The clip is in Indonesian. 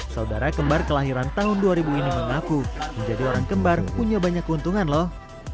saudara kembar kelahiran tahun dua ribu ini mengaku menjadi orang kembar punya banyak keuntungan loh